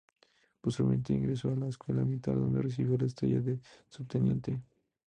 Posteriormente ingresó a la Escuela Militar donde recibió la estrella de Subteniente.